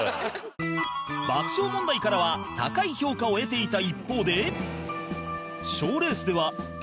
爆笑問題からは高い評価を得ていた一方で